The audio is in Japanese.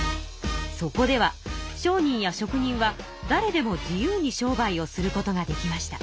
そこでは商人や職人はだれでも自由に商売をすることができました。